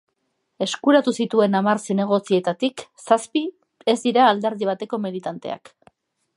Eskuratu zituen hamar zinegotzietatik, zazpi ez dira alderdi bateko militanteak.